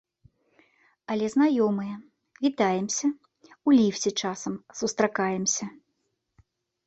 Але знаёмыя, вітаемся, у ліфце часам сустракаемся.